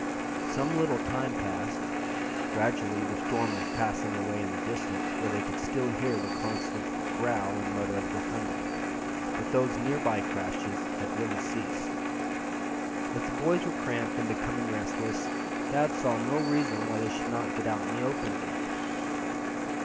Some little time passed. Gradually the storm was passing away in the distance, where they could still hear the constant growl and mutter of the thunder. But those near by crashes had really ceased. As the boys were cramped, and becoming restless, Thad saw no reason why they should not get out in the open again.